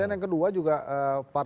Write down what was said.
yang kedua juga